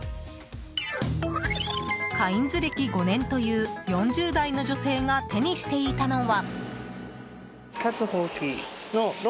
カインズ歴５年という４０代の女性が手にしていたのは。